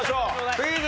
クイズ。